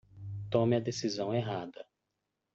Tome a decisão errada